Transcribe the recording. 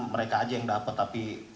mereka aja yang dapat tapi